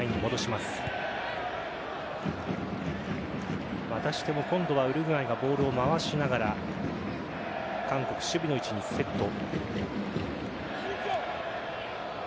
またしても今度はウルグアイがボールを回しながら韓国、守備の位置にセット。